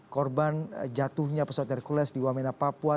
korban jatuhnya pesawatnya